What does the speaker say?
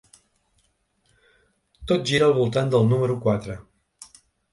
Tot gira al voltant del número quatre.